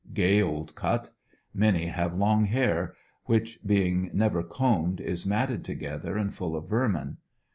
Gay old cut. Many have long hair, which, being never combed, is matted together and full of vermin.